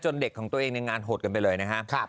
จนเด็กของตัวเองในงานหดไปเลยนะ้ค่ะ